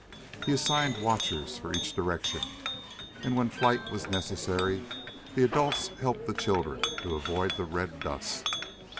He had assigned watchers for each direction and when flight was necessary the adults helped the children to avoid the red dust.